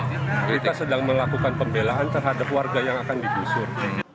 kita sedang melakukan pembelaan terhadap warga yang akan digusur